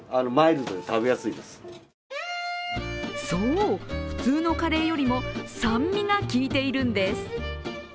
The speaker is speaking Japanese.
そう、普通のカレーよりも酸味がきいているんです。